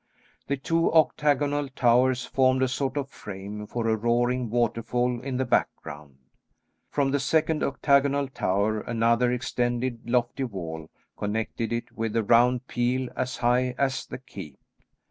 The two octagonal towers formed a sort of frame for a roaring waterfall in the background. From the second octagonal tower another extended lofty wall connected it with a round peel as high as the keep.